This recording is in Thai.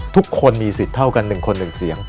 ทุกคนมีสิทธิ์เท่ากันหนึ่งคนหนึ่งเสียง